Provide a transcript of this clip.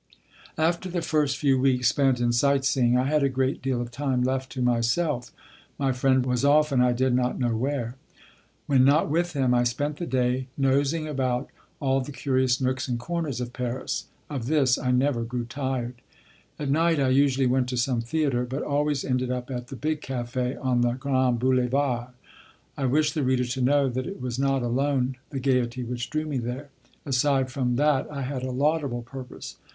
After the first few weeks spent in sight seeing I had a great deal of time left to myself; my friend was often I did not know where. When not with him, I spent the day nosing about all the curious nooks and corners of Paris; of this I never grew tired. At night I usually went to some theatre, but always ended up at the big café on the Grands Boulevards. I wish the reader to know that it was not alone the gaiety which drew me there; aside from that I had a laudable purpose.